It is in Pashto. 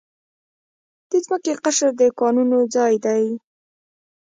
د ځمکې قشر د کانونو ځای دی.